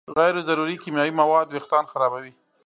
غیر ضروري کیمیاوي مواد وېښتيان خرابوي.